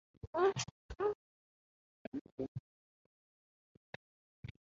Ñamañávo amo yvate